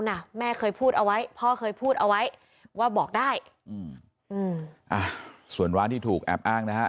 ไว้นะแม่เคยพูดเอาไว้พ่อเคยพูดเอาไว้ว่าบอกได้ส่วนร้านที่ถูกแอบอ้างนะ